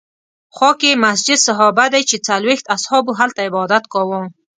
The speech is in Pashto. خوا کې یې مسجد صحابه دی چې څلوېښت اصحابو هلته عبادت کاوه.